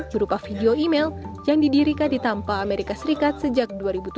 berupa video email yang didirikan di tampa amerika serikat sejak dua ribu tujuh